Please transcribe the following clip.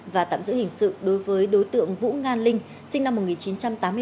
và tạm giữ hình sự đối với đối tượng vũ ngan linh sinh năm một nghìn chín trăm tám mươi tám